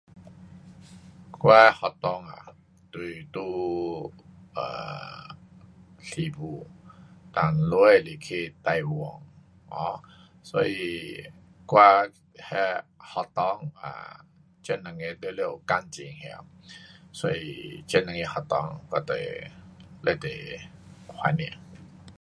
我的学堂啊，就是在 um 诗巫，dan 下是去台湾。um 所以我那学堂 um 这两个全部有感情的。所以这两个学堂我都会非常怀念。